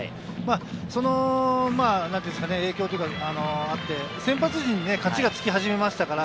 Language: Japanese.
その影響もあって、先発陣に勝ちがつき始めましたからね。